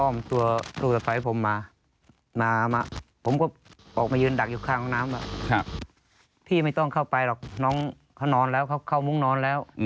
พี่ไม่ต้องเข้าไปหรอกน้องเขานอนแล้วเขาเข้ามุ้งนอนแล้ว